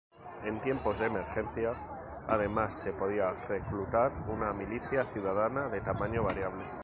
En tiempos de emergencia, además, se podía reclutar una milicia ciudadana de tamaño variable.